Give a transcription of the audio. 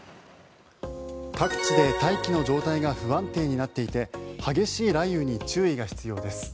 各地で大気の状態が不安定になっていて激しい雷雨に注意が必要です。